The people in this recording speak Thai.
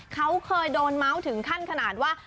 เขาเคยโดนเมาส์ถึงขั้นขนาดว่า